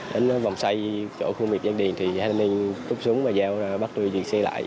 đến vòng xoay chỗ khu công nghiệp giang điền thì hai thanh niên cúp súng và giao bắt đuôi chuyển xe lại